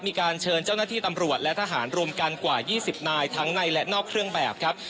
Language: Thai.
มีการเชิญเจ้าหน้าที่ตำรวจและทหารรวมกันกว่า๒๐นายทั้งในและนอกเครื่องแบบครับ